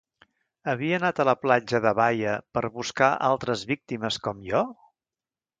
Havia anat a la platja de Baia, per buscar altres víctimes com jo?